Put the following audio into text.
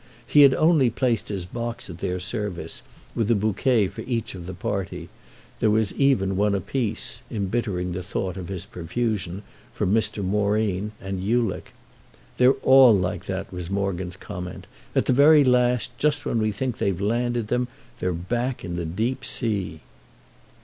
He had only placed his box at their service, with a bouquet for each of the party; there was even one apiece, embittering the thought of his profusion, for Mr. Moreen and Ulick. "They're all like that," was Morgan's comment; "at the very last, just when we think we've landed them they're back in the deep sea!"